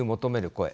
声